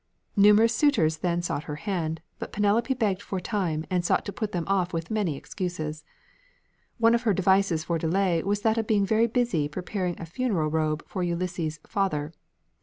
Numerous suitors then sought her hand, but Penelope begged for time and sought to put them off with many excuses. One of her devices for delay was that of being very busy preparing a funeral robe for Ulysses' father.